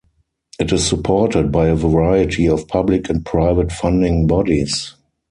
It is supported by a variety of public and private funding bodies.